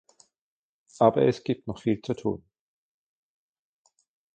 Aber es gibt noch viel zu tun.